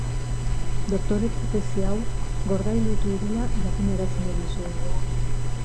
Doktoretza tesi hau gordailutu dela jakinarazi nahi dizuegu.